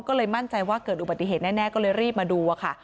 ก็เลยมั่นใจว่าเกิดอุบัติเหตุแน่ก็เลยรีบมาดูค่ะ